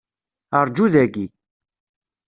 Rǧu dagi.